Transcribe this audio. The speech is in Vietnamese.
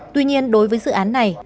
tuy nhiên đối với dự án này